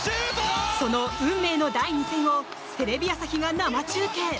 その運命の第２戦をテレビ朝日が生中継。